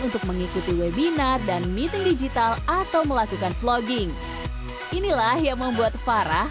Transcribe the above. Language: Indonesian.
untuk mengikuti webinar dan meeting digital atau melakukan vlogging inilah yang membuat farah